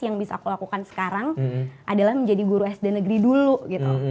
yang bisa aku lakukan sekarang adalah menjadi guru sd negeri dulu gitu